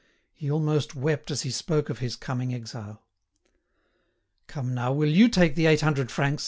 He almost wept as he spoke of his coming exile. "Come now, will you take the eight hundred francs?"